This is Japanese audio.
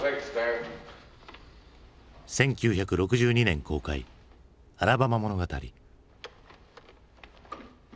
１９６２年公開「アラバマ物語」。